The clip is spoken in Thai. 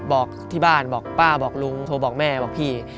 บอกที่บ้านบอกป้าบอกลุงโทรบอกแม่บอกพี่